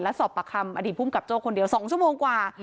และสอบปากคำอดีตภูมิกับโจ้คนเดียว๒ชั่วโมงกว่า